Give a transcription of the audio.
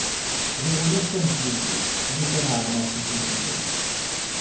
Ziɣ ulac am tlelli... lukan ɛelmeɣ seg yiḍelli!